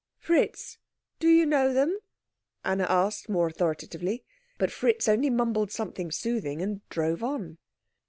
"Fritz, do you know them?" Anna asked more authoritatively. But Fritz only mumbled something soothing and drove on.